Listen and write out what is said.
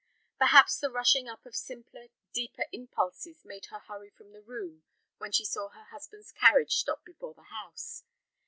Perhaps the rushing up of simpler, deeper impulses made her hurry from the room when she saw her husband's carriage stop before the house.